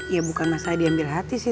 ya bukan masalah diambil hati sih